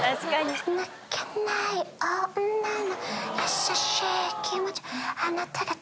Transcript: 「なけない女のやさしい気持ちを」